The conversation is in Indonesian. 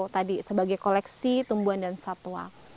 tadi sebagai koleksi tumbuhan dan satwa